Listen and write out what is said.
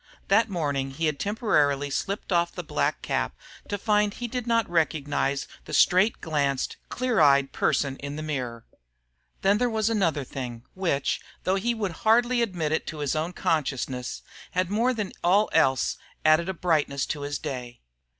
That morning he had temporarily slipped off the black cap to find he did not recognize the straight glanced, clear eyed person in the mirror. Then there was another thing, which, though he would hardly admit it to his own consciousness, had more than all else added a brightness to his day.